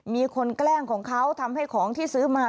แกล้งของเขาทำให้ของที่ซื้อมา